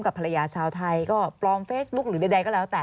ภรรยาชาวไทยก็ปลอมเฟซบุ๊คหรือใดก็แล้วแต่